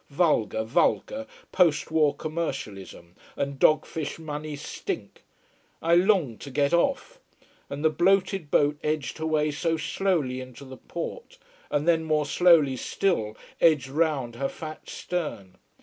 Vulgar, vulgar post war commercialism and dog fish money stink. I longed to get off. And the bloated boat edged her way so slowly into the port, and then more slowly still edged round her fat stern.